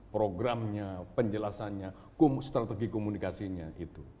programnya penjelasannya strategi komunikasinya itu